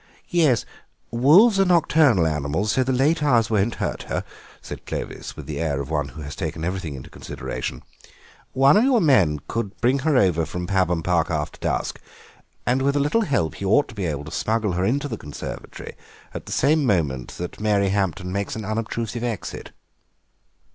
"Yes, wolves are nocturnal animals, so the late hours won't hurt her," said Clovis, with the air of one who has taken everything into consideration; "one of your men could bring her over from Pabham Park after dusk, and with a little help he ought to be able to smuggle her into the conservatory at the same moment that Mary Hampton makes an unobtrusive exit."